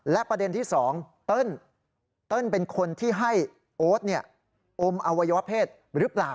และประเด็นที่๒เติ้ลเป็นคนที่ให้โอ๊ตอมอวัยวะเพศหรือเปล่า